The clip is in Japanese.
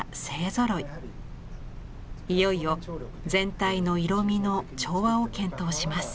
いよいよ全体の色みの調和を検討します。